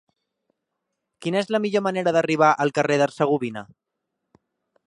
Quina és la millor manera d'arribar al carrer d'Hercegovina?